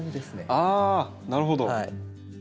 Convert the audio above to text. あなるほど。